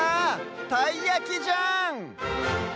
たいやきじゃん！